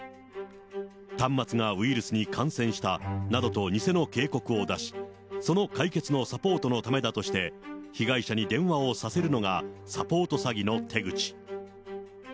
端末がウイルスに感染したなどと偽の警告を出し、その解決のサポートのためだとして、被害者に電話をさせるのがサポート詐欺の手口。